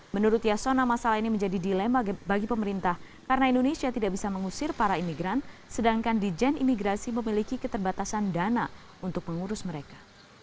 menurut yasona masalah ini menjadi dilema bagi pemerintah karena indonesia tidak bisa mengusir para imigran sedangkan di jen imigrasi memiliki keterbatasan dana untuk mengurus mereka